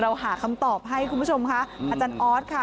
เราหาคำตอบให้คุณผู้ชมค่ะ